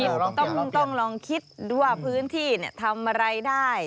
ต้องลองคิดดูว่าพื้นที่ทำอะไรได้